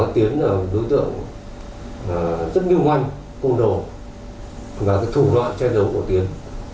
tiến là một đối tượng rất như ngoanh cung đồ và thủ loại che giấu của tiến